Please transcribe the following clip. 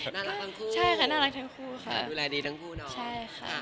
น่ารักทั้งคู่ดูแลดีทั้งคู่เนาะใช่ค่ะ